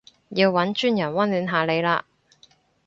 要搵專人溫暖下你嘞